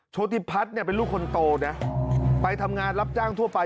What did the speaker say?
โชติพัฒน์เนี่ยเป็นลูกคนโตนะไปทำงานรับจ้างทั่วไป